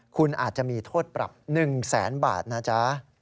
คุณอาจจะมีโทษปรับ๑แสนบาทนะจ๊ะ